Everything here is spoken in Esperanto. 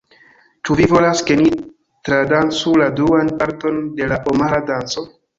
Ĉu vi volas ke ni tradancu la duan parton de la Omara Danco?